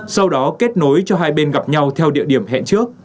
sau đó kết nối cho hai bên gặp nhau theo địa điểm hẹn trước